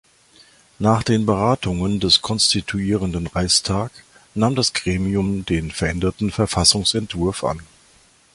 Nach den Beratungen des konstituierenden Reichstag nahm das Gremium den veränderten Verfassungsentwurf an.